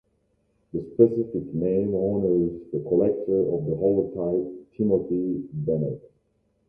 The specific name honours the collector of the holotype Timothy Bennett.